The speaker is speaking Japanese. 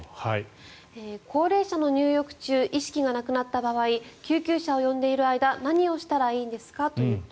高齢者の入浴中意識がなくなった場合救急車を呼んでいる間何をしたらいいんですか？